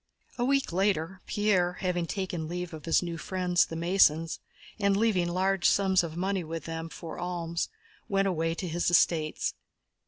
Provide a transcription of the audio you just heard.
A week later, Pierre, having taken leave of his new friends, the Masons, and leaving large sums of money with them for alms, went away to his estates.